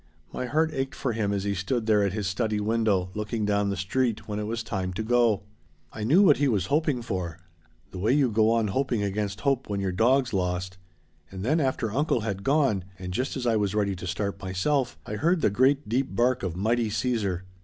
My heart ached for him as he stood there at his study window looking down the street when it was time to go. I knew what he was hoping for the way you go on hoping against hope when your dog's lost. And then after uncle had gone, and just as I was ready to start myself, I heard the great deep bark of mighty Caesar!